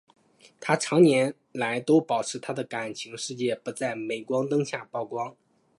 她长年来都保持她的感情世界不在镁光灯下曝光。